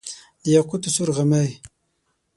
د یاقوتو سور غمی،